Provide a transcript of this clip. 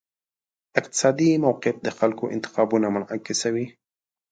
اقتصادي موقف د خلکو انتخابونه منعکسوي.